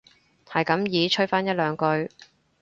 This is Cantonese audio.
係咁依吹返一兩句